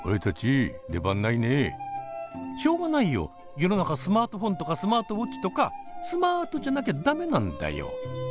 世の中スマートフォンとかスマートウォッチとかスマートじゃなきゃ駄目なんだよ。